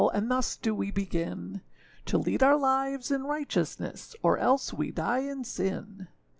And thus do we begin To lead our lives in righteousness, Or else we die in sin.